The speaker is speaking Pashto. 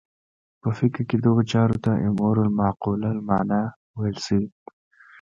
په فقه کې دغو چارو ته امور معقوله المعنی ویل شوي.